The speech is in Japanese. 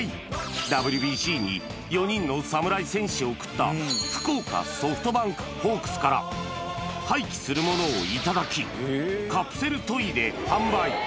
ＷＢＣに４人の侍戦士を送った、福岡ソフトバンクホークスから、廃棄するものを頂き、カプセルトイで販売。